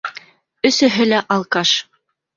Өсөһө лә алкаш.